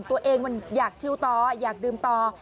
ตัวเองมันอยากชิวต่ออยากดื่มต่อ